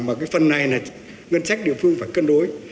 mà cái phần này là ngân sách địa phương phải cân đối